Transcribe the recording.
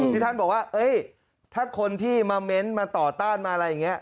ที่ท่านบอกว่าถ้าคนที่มาเม้นต์มาต่อต้านมาอะไรอย่างนี้